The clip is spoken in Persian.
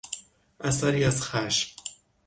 اثری از خشم